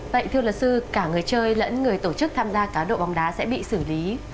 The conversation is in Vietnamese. vậy thưa luật sư cả người chơi lẫn người tổ chức tham gia cá độ bóng đá sẽ bị xử lý